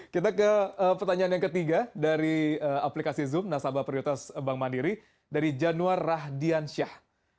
kita ke pertanyaan yang ketiga dari aplikasi zoom nasabah prioritas bank mandiri dari januar rahdiansyah